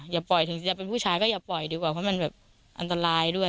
อย่าปล่อยถึงจะเป็นผู้ชายก็อย่าปล่อยดีกว่าเพราะมันแบบอันตรายด้วย